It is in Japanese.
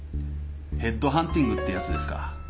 ヘッドハンティングってやつですか。